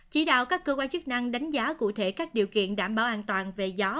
chỉ đạo các cơ quan chức năng đánh giá cụ thể các điều kiện đảm bảo an toàn về gió